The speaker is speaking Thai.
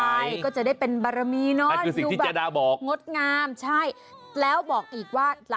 ใช่ก็จะได้เป็นบารมีเนาะ